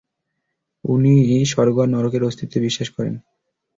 উনি স্বর্গ আর নরকের অস্তিত্বে বিশ্বাস করেন।